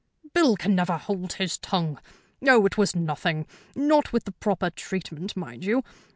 "Bill can never hold his tongue. Oh, it was nothing; not with the proper treatment, mind you.